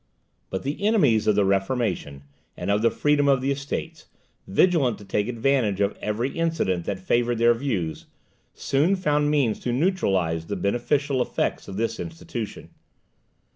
But the enemies of the Reformation and of the freedom of the Estates, vigilant to take advantage of every incident that favoured their views, soon found means to neutralize the beneficial effects of this institution.